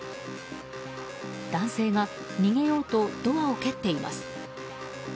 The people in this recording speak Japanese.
男性が逃げようとドアを蹴っています。